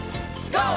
ＧＯ！